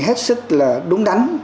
hết sức là đúng đắn